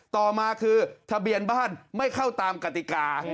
ต่อมาคือทะเบียนบ้านไม่เข้าตามกติกา